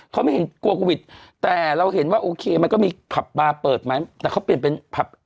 เขาไม่เห็นกลัวโควิดแต่เราเห็นว่าโอเคมันก็มีผับบาร์เปิดไหมแต่เขาเปลี่ยนเป็นผับ